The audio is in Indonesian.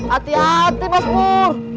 hati hati mas pur